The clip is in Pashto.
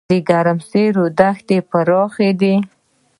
د ګرمسیر دښتې پراخې دي